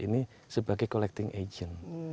ini sebagai collecting agent